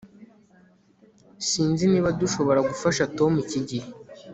Sinzi niba dushobora gufasha Tom iki gihe